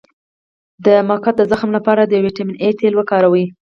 د مقعد د زخم لپاره د ویټامین اي تېل وکاروئ